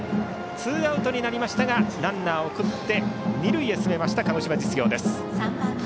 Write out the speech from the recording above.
ツーアウトになりましたがランナー送って二塁へ進めました鹿児島実業です。